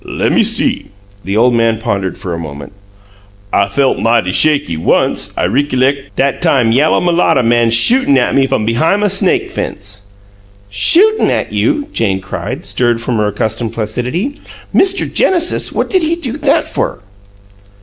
"Lemme see." The old man pondered for a moment. "I felt mighty shaky once, I rickalect; dat time yalla m'latta man shootin' at me f 'um behime a snake fence." "Shootin' at you!" Jane cried, stirred from her accustomed placidity. "Mr. Genesis! What DID he do that for?"